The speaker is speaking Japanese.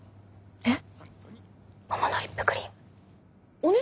えっ？